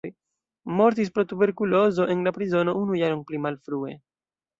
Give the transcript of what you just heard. Mortis pro tuberkulozo en la prizono unu jaron pli malfrue.